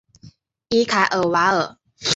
伊凯尔瓦尔。